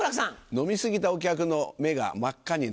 飲み過ぎたお客の目が真っ赤になる。